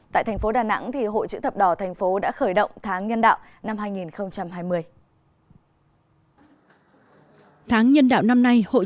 tại thành phố đà nẵng hội chữ thập đỏ thành phố đã khởi động tháng nhân đạo năm hai nghìn hai mươi